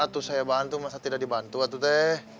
aduh saya bantu masa tidak dibantu tuh teh